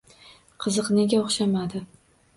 Qiziq nega o'xshamadi?